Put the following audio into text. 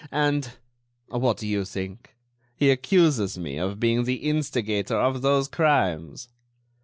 And—what do you think?—he accuses me of being the instigator of those crimes."